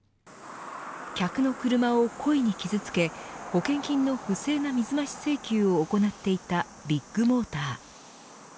客の車を故意に傷付け保険金の不正な水増し請求を行っていたビッグモーター。